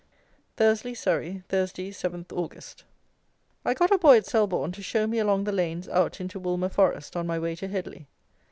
Thursley (Surrey), Thursday, 7th August. I got a boy at Selborne to show me along the lanes out into Woolmer forest on my way to Headley.